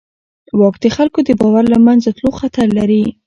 واک د خلکو د باور له منځه تلو خطر لري.